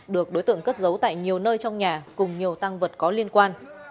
được đối tượng cất giấu tại nhiều nơi trong nhà cùng nhiều tăng vật có liên quan